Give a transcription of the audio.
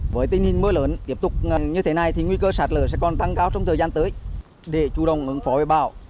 với tình hình mưa lớn tiếp tục như thế này thì nguy cơ sạt lở sẽ còn tăng cao trong thời gian tới để chủ động ứng phó với bão